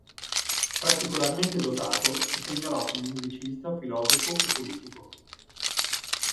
Particolarmente dotato si segnalò come musicista, filosofo e politico.